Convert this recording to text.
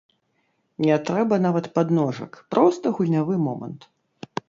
Не трэба нават падножак, проста гульнявы момант.